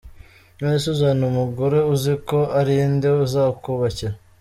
None se uzana umugore uzi ko ari nde uzakubakira.